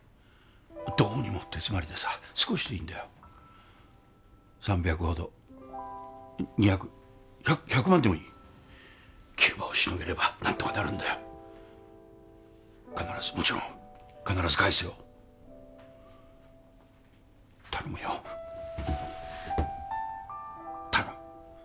どうにも手詰まりでさ少しでいいんだよ３００ほど２００１００万でもいい急場をしのげれば何とかなるんだよ必ずもちろん必ず返すよ頼むよ頼む